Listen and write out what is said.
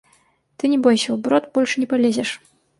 Ты не бойся, у брод больш не палезеш.